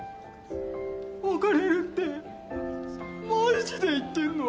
別れるってマジで言ってんの？